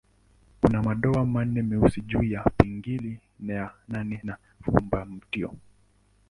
Kuna madoa manne meusi juu ya pingili ya nane ya fumbatio.